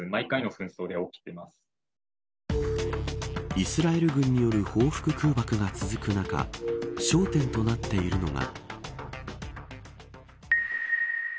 イスラエル軍による報復空爆が続く中焦点となっているのが。